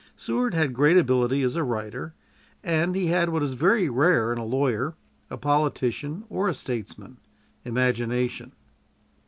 Seward had great ability as a writer, and he had what is very rare in a lawyer, a politician, or a statesman imagination.